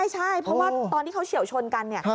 ใช่เพราะว่าตอนที่เขาเฉียวชนกันเนี่ย